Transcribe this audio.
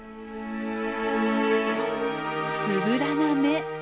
つぶらな目。